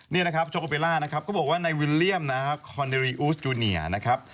นี่นะครับโจเบลล่านะครับก็บอกว่าในวิลเลี่ยมนะครับคอนเดรีอูสจูเนียนะครับ